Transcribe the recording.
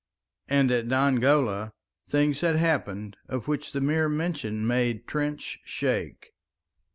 And at Dongola things had happened of which the mere mention made Trench shake.